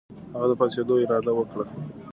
هغه د پاڅېدو اراده وکړه.